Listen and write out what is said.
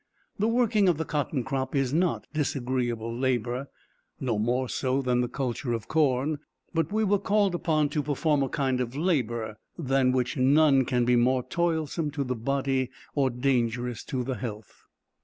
The working of the cotton crop is not disagreeable labor no more so than the culture of corn but we were called upon to perform a kind of labor, than which none can be more toilsome to the body or dangerous to the health.